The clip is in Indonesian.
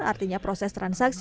artinya proses transaksi